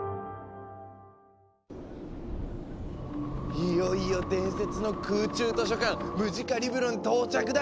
いよいよ伝説の空中図書館ムジカリブロに到着だ！